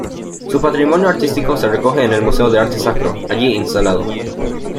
Su patrimonio artístico se recoge en el Museo de Arte Sacro, allí instalado.